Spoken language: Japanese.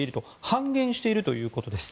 半減しているということです。